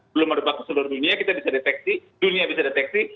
belum merebak di seluruh dunia kita bisa deteksi